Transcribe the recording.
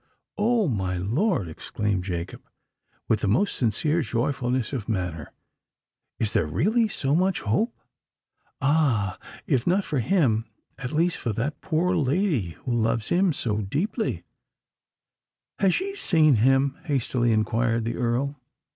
"Oh! my lord," exclaimed Jacob, with the most sincere joyfulness of manner, "is there really so much hope? Ah! if not for him—at least for that poor lady who loves him so deeply——" "Has she seen him?" hastily inquired the Earl.